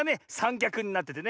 きゃくになっててね